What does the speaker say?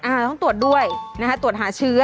ต้องตรวจด้วยนะคะตรวจหาเชื้อ